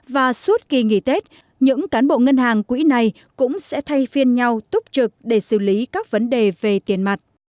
và suốt kỳ nghỉ tết những cán bộ ngân hàng quỹ này cũng sẽ thay phiên nhau túc trực để xử lý các vấn đề về tiền mặt